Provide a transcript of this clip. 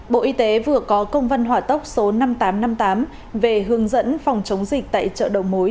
bộ y tế vừa có công văn hỏa tốc số năm nghìn tám trăm năm mươi tám về hướng dẫn phòng chống dịch tại chợ đầu mối